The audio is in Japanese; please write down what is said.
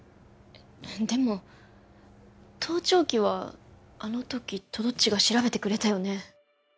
でも盗聴器はあの時とどっちが調べてくれたよね